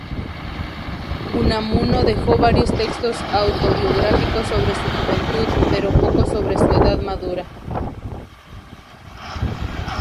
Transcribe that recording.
Unamuno dejó varios textos autobiográficos sobre su juventud, pero pocos sobre su edad madura.